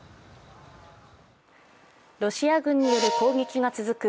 ロシア軍による攻撃が続く